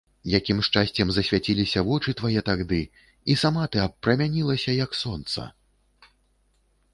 Якім шчасцем засвяціліся вочы твае тагды і сама ты абпрамянілася, як сонца!